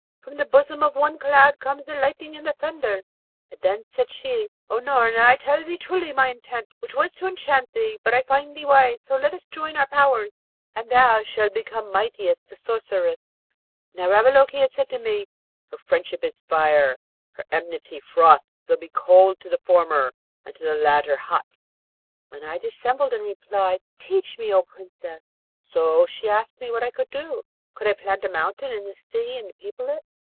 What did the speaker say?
From the bosom of one cloud comes the lightning and the thunder. Then said she, 'O Noorna! I'll tell thee truly my intent, which was to enchant thee; but I find thee wise, so let us join our powers, and thou shah become mighty as a sorceress.' Now, Ravaloke had said to me, 'Her friendship is fire, her enmity frost; so be cold to the former, to the latter hot,' and I dissembled and replied, 'Teach me, O Princess!' So she asked me what I could do. Could I plant a mountain in the sea and people it?